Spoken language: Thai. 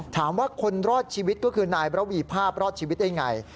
ถามว่าคนรอดชีวิตก็คือนายประวีภาพรอดชีวิตได้ไง